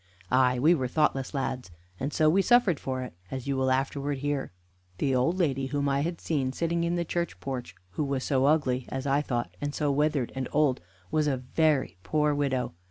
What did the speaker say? Ay, we were thoughtless lads, and so we suffered for it, as you will afterwards hear. The old lady whom I had seen sitting in the church porch, who was so ugly, as I thought, and so withered and old, was a very poor widow.